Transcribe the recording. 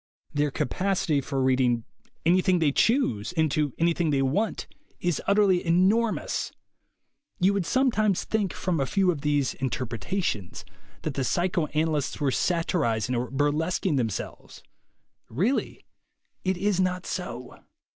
Their capacity for reading any thing they choose into anything they want is utterly enormous. You would sometimes think from a few of these "interpretations" that the psychoana lysts were satirizing or burlesquing themselves. Really it is not so.